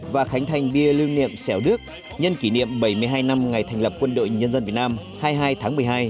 và khánh thành bia lưu niệm xẻo đức nhân kỷ niệm bảy mươi hai năm ngày thành lập quân đội nhân dân việt nam hai mươi hai tháng một mươi hai